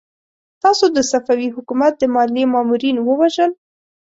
تاسو د صفوي حکومت د ماليې مامورين ووژل!